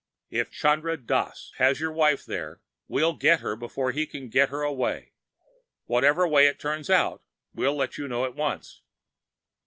If Chandra Dass has your wife there, we'll get her before he can get her away. Whatever way it turns out, we'll let you know at once."